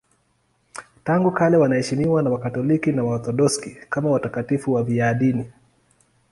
Tangu kale wanaheshimiwa na Wakatoliki na Waorthodoksi kama watakatifu wafiadini.